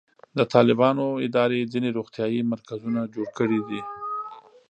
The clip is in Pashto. د طالبانو اداره ځینې روغتیایي مرکزونه جوړ کړي.